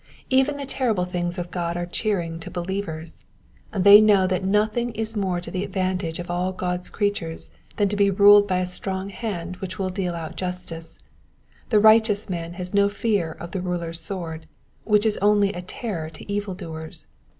Even the terrible things of God are cheering to believers. They know that nothing is more to the advantage of all God^s creatures than to be ruled by a strong hand which will deal out justice. The righteous man has no fear of the ruler's sword, which is only a terror to evil doers.